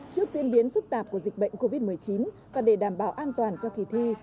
trước diễn biến phức tạp của dịch bệnh covid một mươi chín và để đảm bảo an toàn cho kỳ thi